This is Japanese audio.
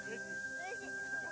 うれしい。